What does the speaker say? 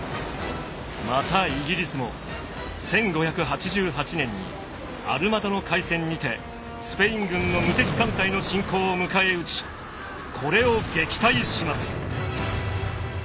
またイギリスも１５８８年にアルマダの海戦にてスペイン軍の無敵艦隊の侵攻を迎え撃ちこれを撃退します。